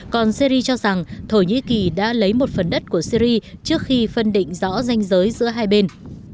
còn syri cho rằng thổ nhĩ kỳ đã lấy một phần đất của syri trước khi phân định rõ danh giới giữa hai bên